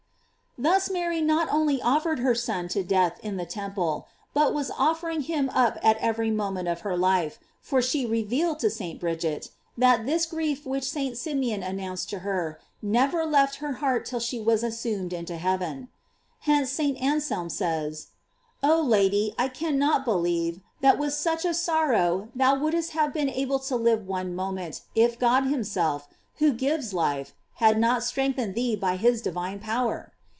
Thus Mary not only offered her Son to death in the temple, but was offering him up at every moment of her life; for she revealed to St. Bridget, that this grief which St. Simeon an nounced to her, never left her heart till she was assumed into heaven.* Hence St. Anselm says: Oh Lady, I cannot believe, that with such a sorrow thou wouldst have been able to live one moment, if God himself, who gives life, had not strengthened thee by his divine power.